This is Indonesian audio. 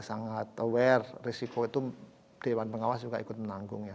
sangat aware risiko itu dewan pengawas juga ikut menanggung ya